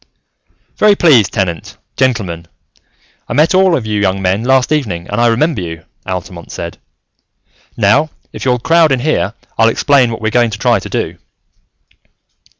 "Very pleased, Tenant, gentlemen. I met all of you young men last evening and I remember you," Altamont said. "Now, if you'll crowd in here, I'll explain what we're going to try to do."